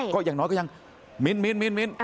ก็อย่างน้อยก็ยังมิ้น